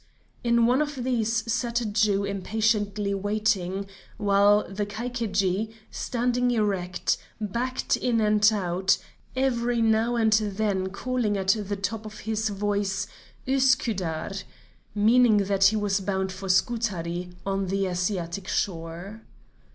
In one of these sat a Jew patiently waiting, while the Caiquedji, standing erect, backed in and out, every now and then calling at the top of his voice: 'Iuskidar,' meaning that he was bound for Scutari, on the Asiatic shore.